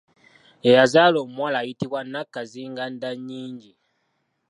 Ye yazaala omuwala ayitibwa Nakkazingandannyingi.